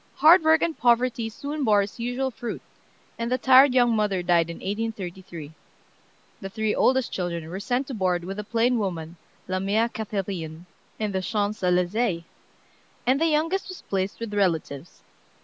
Hard work and poverty soon bore its usual fruit, and the tired young mother died in 1833. The three oldest children were sent to board with a plain woman, "La mère Cathérine," in the Champs Elysées, and the youngest was placed with relatives.